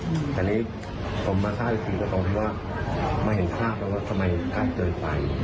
อืมแต่นี้ผมมาทราบอีกทีก็ต้องที่ว่าไม่เห็นภาพแล้วแล้วทำไมอาจเจอไฟ